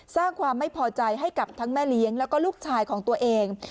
สร้างความไม่พอใจให้กับทั้งแม่เลี้ยงแล้วก็ลูกชายของตัวเอง